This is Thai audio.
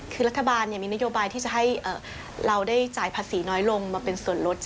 คือรัฐบาลมีนโยบายที่จะให้เราได้จ่ายภาษีน้อยลงมาเป็นส่วนลด